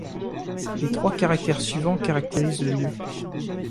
Les trois caractères suivants caractérisent le lieu.